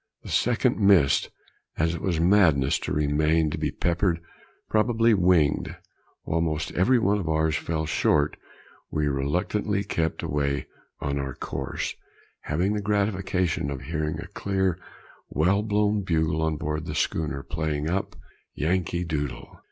The second missed, and as it was madness to remain to be peppered, probably winged, whilst every one of ours fell short, we reluctantly kept away on our course, having the gratification of hearing a clear well blown bugle on board the schooner play up "Yankee Doodle."